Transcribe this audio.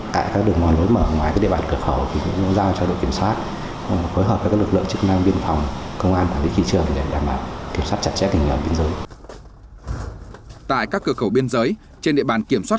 tại các đường ngoài nối mở ngoài địa bàn cửa khẩu chúng tôi giao cho đội kiểm soát